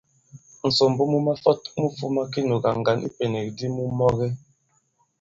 Ŋ̀sòmbo mu mafɔt mu fūma kinùgà ŋgǎn i ipènèk di mu mɔge.